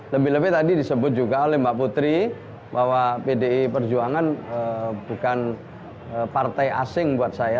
lebih lebih tadi disebut juga oleh mbak putri bahwa pdi perjuangan bukan partai asing buat saya